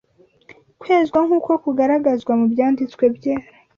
Kwezwa nk’uko kugaragazwa mu Byanditswe Byera